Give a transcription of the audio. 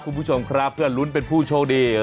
คุณผู้ชมครับเพื่อลุ้นเป็นผู้โชคดี